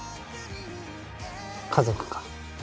家族か？